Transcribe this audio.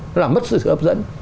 nó làm mất sự hấp dẫn